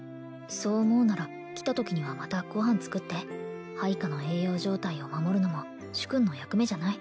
そう思うなら来た時にはまたご飯作って配下の栄養状態を守るのも主君の役目じゃない？